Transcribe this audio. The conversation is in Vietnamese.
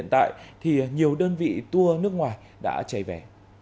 đến thời điểm hiện tại thì nhiều đơn vị tour nước ngoài đã chạy về